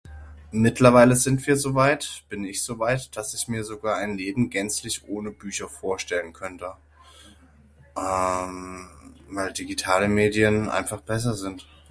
Mittlerweile sind wir soweit, bin ich soweit, das ich mir sogar ein Leben gänzlich ohne Bücher vorstellen könnte. Ehm, weil digitale Medien einfach besser sind.